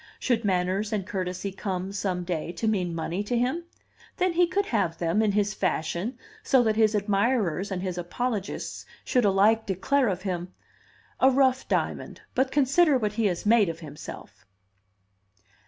Should manners and courtesy come, some day, to mean money to him, then he could have them, in his fashion, so that his admirers and his apologists should alike declare of him, "A rough diamond, but consider what he has made of himself!"